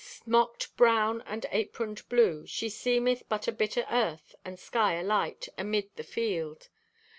Smocked brown and aproned blue, she seemeth but a bit o' earth and sky alight amid the field.